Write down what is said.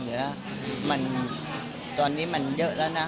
เดี๋ยวนะตอนนี้มันเยอะแล้วนะ